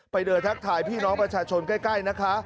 ไปเดินทักทายพี่น้องประชาชนใกล้นะคะ